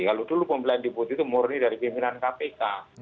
kalau dulu pemilihan deputi itu murni dari pimpinan kpk